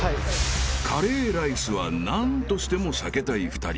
［辛ぇライスは何としても避けたい２人］